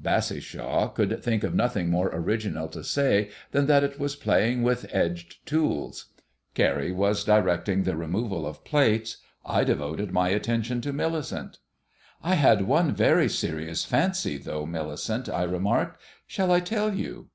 Bassishaw could think of nothing more original to say than that it was playing with edged tools. Carrie was directing the removal of plates; I devoted my attention to Millicent. "I had one very serious fancy, though, Millicent," I remarked. "Shall I tell you?"